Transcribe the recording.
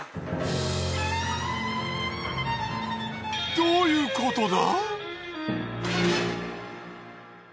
どういうことだ！？